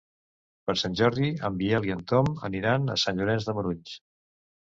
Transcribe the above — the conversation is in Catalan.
Per Sant Jordi en Biel i en Tom aniran a Sant Llorenç de Morunys.